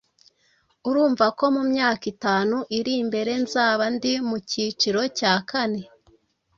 urumva ko mu myaka itanu iri mbere nzaba ndi mu cyiciro cya kane